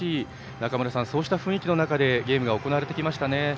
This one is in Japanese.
中村さん、そうした雰囲気の中でゲームが行われましたね。